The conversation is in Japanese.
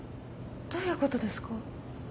どういうことですか？